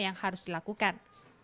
yang harus dilakukan